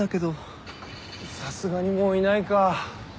さすがにもういないか。